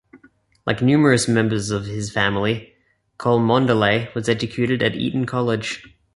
Like numerous members of his family, Cholmondeley was educated at Eton College.